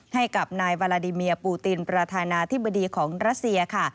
ให้กับนายบาลาดิเมียปูตินประธานาธิบดีของรัสเซียค่ะ